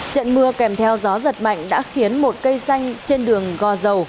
trận mưa kèm theo gió giật mạnh đã khiến một cây xanh trên đường gò dầu